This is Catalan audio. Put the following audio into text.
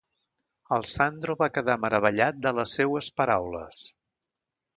El Sandro va quedar meravellat de les seues paraules.